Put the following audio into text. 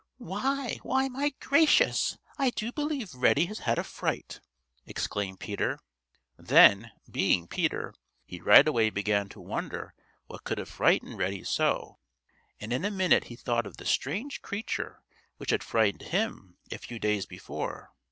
"Why! Why, my gracious, I do believe Reddy has had a fright!" exclaimed Peter. Then, being Peter, he right away began to wonder what could have frightened Reddy so, and in a minute he thought of the strange creature which had frightened him a few days before.